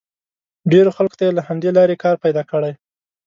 ډېرو خلکو ته یې له همدې لارې کار پیدا کړی.